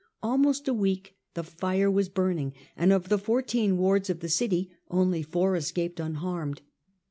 Al most a week the fire was burning, and of the four teen wards of the city only four escaped un harmed.